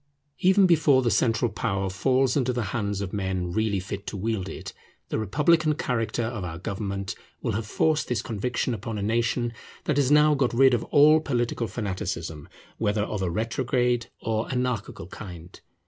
Even before the central power falls into the hands of men really fit to wield it, the republican character of our government will have forced this conviction upon a nation that has now got rid of all political fanaticism, whether of a retrograde or anarchical kind.